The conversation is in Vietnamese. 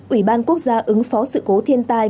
ủy ban quốc gia ứng phó sự cố thiên tai